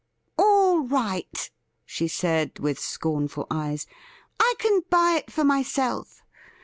' All right,' she said, with scornful eyes ;' I can buy it for myself.